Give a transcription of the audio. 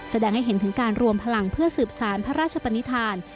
แสดงให้เห็นถึงการรวมพลังเพื่อสืบสารพระราชปนิษฐาน